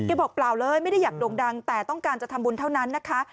บอกเปล่าเลยไม่ได้อยากโด่งดังแต่ต้องการจะทำบุญเท่านั้นนะคะ